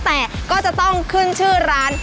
แต่ก็จะต้องขึ้นชื่อร้าน